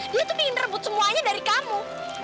dia tuh pengen rebut semuanya dari kamu